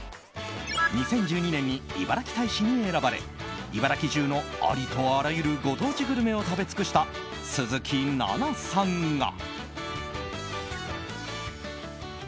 ２０１２年にいばらき大使に選ばれ茨城中のありとあらゆるご当地グルメを食べ尽くした鈴木奈々さんが。